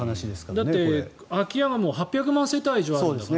だって、空き家が８００万世帯以上あるんだから。